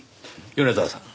米沢さん。